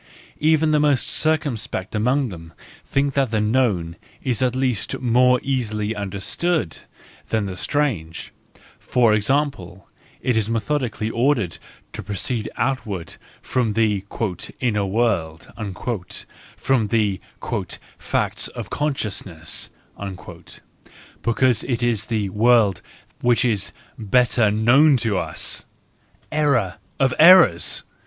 Even the most circumspect among them think that the known is at least more easily understood than the strange; that for example, it is methodically ordered to proceed outward from the "inner world," from " the facts of consciousness," because it is the world which is better known to us ! Error of errors!